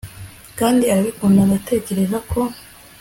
Kandi urabikunda Ndatekereza ko